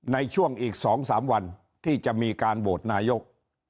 ในช่วงอีก๒๓วันที่จะมีการโหวตนายก